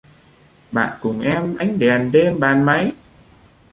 Bạn cùng em ánh đèn đêm bàn máy